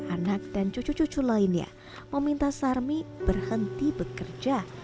anak dan cucu cucu lainnya meminta sarmi berhenti bekerja